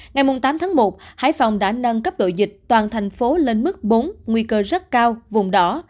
ngày tám tháng một hải phòng đã nâng cấp đội dịch toàn thành phố lên mức bốn nguy cơ rất cao vùng đỏ